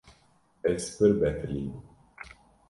Ez pir betilîm.